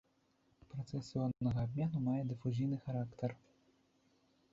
Працэс іоннага абмену мае дыфузійны характар.